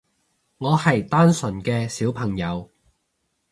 我係單純嘅小朋友